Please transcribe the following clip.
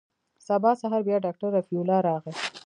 سبا سهار بيا ډاکتر رفيع الله راغى.